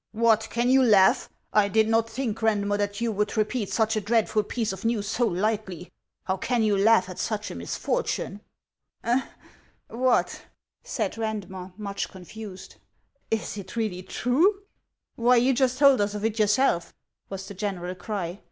" What ! can you laugh ? I did not think, Randmer, that you would repeat such a dreadful piece of news so lightly. How can you laugh at such a misfortune ?" HANS OF ICELAND. 337 " What !" said Raudmer, much confused ;" is it really true ?"" Why, you just told us of it yourself! " was the general cry.